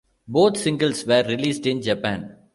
Both singles were released in Japan.